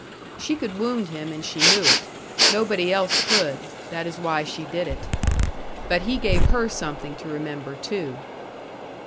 She could wound him, and she knew it. Nobody else could. That is why she did it. But he gave her something to remember, too.